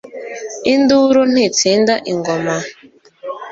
induru ntitsinda ingoma